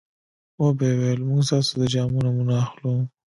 وبه یې ویل موږ ستاسو د جامو نمونه اخلو.